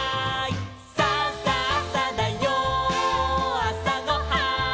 「さあさあさだよあさごはん」